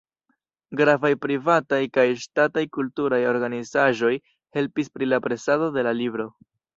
Gravaj privataj kaj ŝtataj kulturaj organizaĵoj helpis pri la presado de la libro.